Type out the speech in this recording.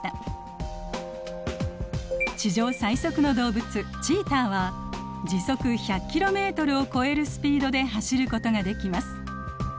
地上最速の動物チーターは時速１００キロメートルを超えるスピードで走ることができます。